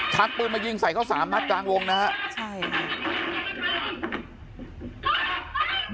ทักปืนมายิงให้เขาสามมัจจางวงนะครับ